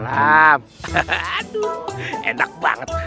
aduh enak banget